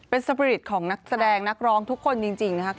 เป็นสปริตของนักแสดงนักร้องทุกคนจริงนะครับ